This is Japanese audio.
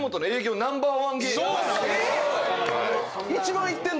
えっ⁉一番いってんの？